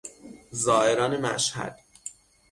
زائران مشهد